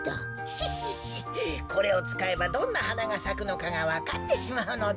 シッシッシこれをつかえばどんなはながさくのかがわかってしまうのだ。